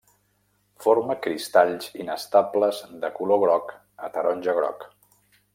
Forma cristalls inestables de color groc a taronja-groc.